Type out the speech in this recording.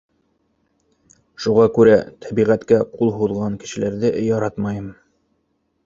Шуға күрә тәбиғәткә ҡул һуҙған кешеләрҙе яратмайым